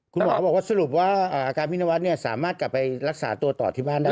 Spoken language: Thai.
คุณหมอบอกว่าสรุปว่าอาการพี่นวัดสามารถกลับไปรักษาตัวต่อที่บ้านได้